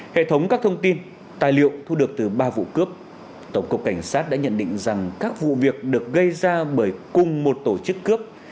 hệ thống các thông tin tài liệu thu được từ ba vụ cướp tổng cục cảnh sát đã nhận định rằng các vụ việc được gây ra bởi cùng một tổ chức cướp